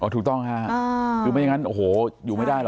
อ๋อถูกต้องค่ะดูไม่งั้นโอ้โหอยู่ไม่ได้หรอก